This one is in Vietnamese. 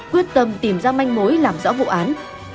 quyết tâm tìm ra manh mối làm rõ vụ án